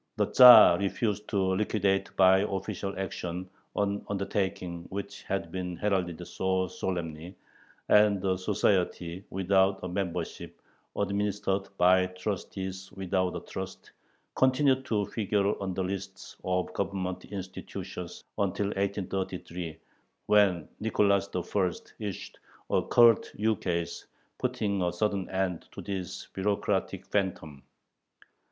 The Tzar refused to liquidate by official action an undertaking which had been heralded so solemnly, and the society without a membership, administered by trustees without a trust, continued to figure on the lists of Government institutions until 1833, when Nicholas I. issued a curt ukase putting a sudden end to this bureaucratic phantom.